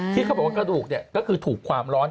ที่เขาบอกว่ากระดูกก็คือถูกความร้อน